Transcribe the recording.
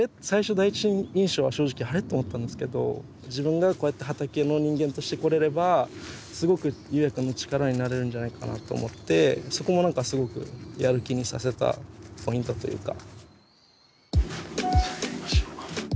最初第一印象は正直あれっ？と思ったんですけど自分がこうやって畑の人間として来れればすごく侑弥くんの力になれるんじゃないかなと思ってそこも何かすごくやる気にさせたポイントというか。